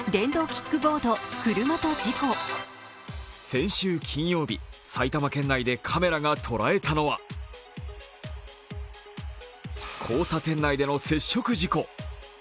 先週金曜日、埼玉県内でカメラが捉えたのは交差点内での接触事故。